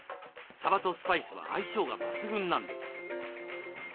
さばとスパイスは相性が抜群なんです。